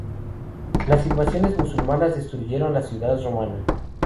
Las invasiones musulmanas destruyeron la ciudad romana.